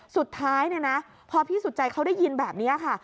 สุดท้ายเนี่ยนะพอพี่สุจัยเขาได้ยินแบบนี้ค่ะ